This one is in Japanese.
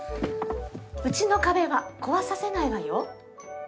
うちの壁は壊させないわよ。